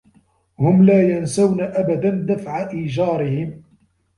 هم لا ينسون أبدا دفع إيجارهم.